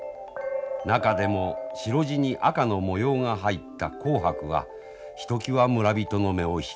中でも白地に赤の模様が入った紅白はひときわ村人の目を引きました。